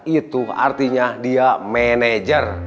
itu artinya dia manajer